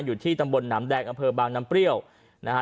อยู่ที่ตำบลหนามแดงอำเภอบางน้ำเปรี้ยวนะฮะ